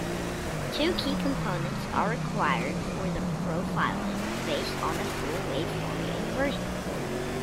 Two key-components are required for the profiling based on full-waveform inversion.